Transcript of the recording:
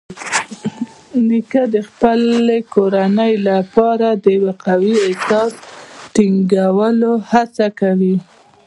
نیکه د خپل کورنۍ لپاره د یو قوي اساس ټینګولو هڅه کوي.